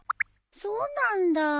そうなんだ